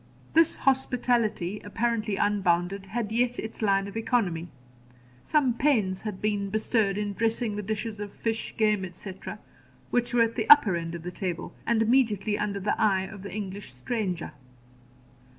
This hospitality, apparently unbounded, had yet its line of economy. Some pains had been bestowed in dressing the dishes of fish, game, etc., which were at the upper end of the table, and immediately under the eye of the English stranger.